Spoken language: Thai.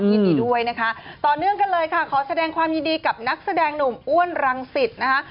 ยินดีด้วยนะคะต่อเนื่องกันเลยค่ะขอแสดงความยินดีกับนักแสดงหนุ่มอ้วนรังสิตนะคะ